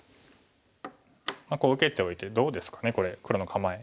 こう受けておいてどうですかねこれ黒の構え。